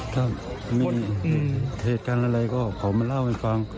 ถ้ามีเหตุการณ์อะไรก็ขอมาเล่าให้ฟัง